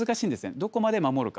どこまで守るか。